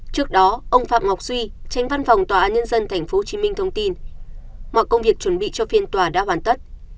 trước đó ông phạm ngọc suy tránh văn phòng tòa án nhân dân tp hcm thông tin mọi công việc chuẩn bị cho phiên tòa đã hoàn tất